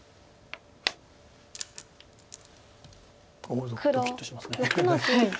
おドキッとします。